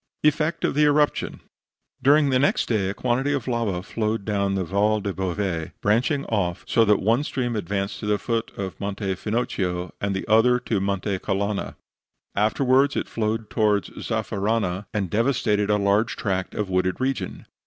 EFFECT OF THE ERUPTION During the next day a quantity of lava flowed down the Val del Bove, branching off so that one stream advanced to the foot of Monte Finocchio, and the other to Monte Calanna. Afterwards it flowed towards Zaffarana, and devastated a large tract of wooded region.